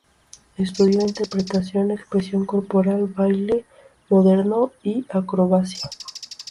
Estudió interpretación, expresión corporal, baile moderno y acrobacia.